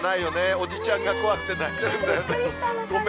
おじちゃんが怖くて泣いてるんだよね。